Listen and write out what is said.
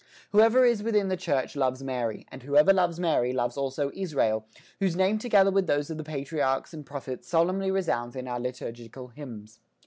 Whoever is within the Church loves Mary; and whoever loves Mary loves also Israel whose name together with those of the patriarchs and prophets solemnly resounds in our liturgical hymns.